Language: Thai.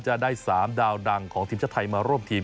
จะได้๓ดาวดังของทีมชาติไทยมาร่วมทีม